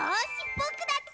ぼくだって。